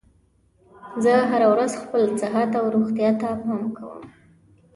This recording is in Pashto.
زه هره ورځ خپل صحت او روغتیا ته پام کوم